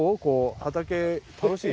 畑楽しい？